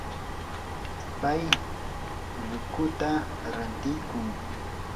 pay ullukuta rantiykun.